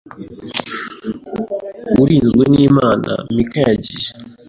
Urinzwenimana Mika yagiye